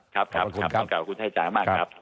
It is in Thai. ครับเข้าข่าวทุกคนให้จากมากครับ